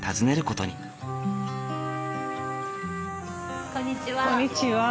こんにちは。